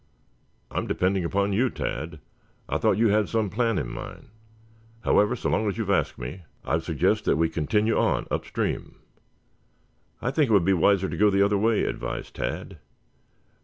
"I am depending upon you, Tad. I thought you had some plan in mind. However, so long as you have asked me, I would suggest that we continue on upstream." "I think it would be wiser to go the other way," advised Tad.